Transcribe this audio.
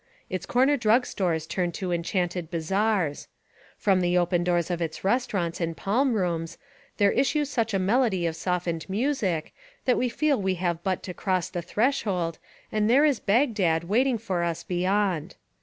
Its corner drug stores turn to enchanted bazaars. From the open doors of its restaurants and palm rooms, there issues such a melody of softened music that we feel we have but to cross the threshold and there is Bagdad waiting for us beyond.